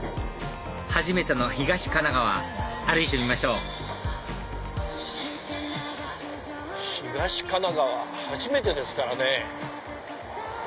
初めての東神奈川歩いてみましょう東神奈川初めてですからね。